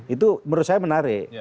itu menurut saya menarik